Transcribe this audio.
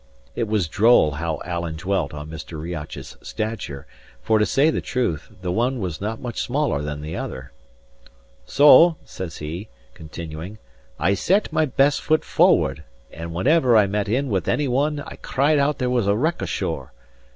(It was droll how Alan dwelt on Mr. Riach's stature, for, to say the truth, the one was not much smaller than the other.) "So," says he, continuing, "I set my best foot forward, and whenever I met in with any one I cried out there was a wreck ashore.